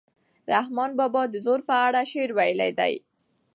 رحمان بابا د زور په اړه شعر ویلی دی.